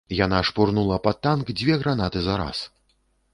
Яна шпурнула пад танк дзве гранаты зараз.